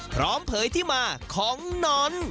พร้อมเผยที่มาของนอน